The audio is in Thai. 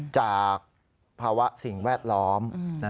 จากภาวะสิ่งแวดล้อม